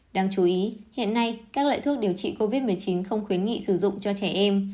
đáng chú ý hiện nay các loại thuốc điều trị covid một mươi chín không khuyến nghị sử dụng cho trẻ em